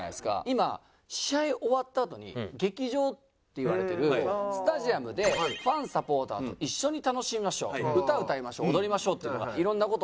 今試合終わったあとに「劇場」って言われているスタジアムでファンサポーターと一緒に楽しみましょう歌を歌いましょう踊りましょうっていうのが色んな事をやる。